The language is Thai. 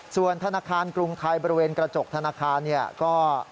ส่วนธนาคารกรุงไทยบริเวณกระจกธนาคารเนี่ยก็